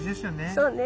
そうね。